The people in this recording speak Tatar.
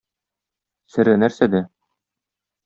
Сере нәрсәдә?